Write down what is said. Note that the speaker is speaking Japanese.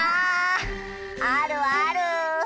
あるある。